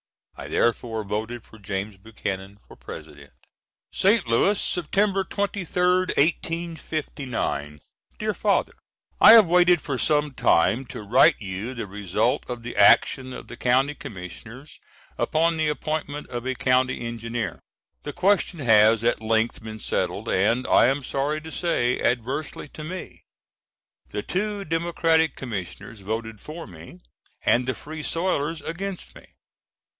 I therefore voted for James Buchanan for President."] St. Louis, Sept. 23d, 1859. DEAR FATHER: I have waited for some time to write you the result of the action of the County Commissioners upon the appointment of a County Engineer. The question has at length been settled, and I am sorry to say, adversely to me. The two Democratic Commissioners voted for me, and the Free Soilers against me.